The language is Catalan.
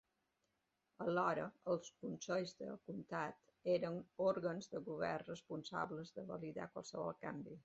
Alhora, els consells de comtat eren òrgans de govern responsables de validar qualsevol canvi.